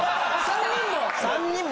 ３人も。